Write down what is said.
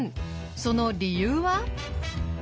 その理由は？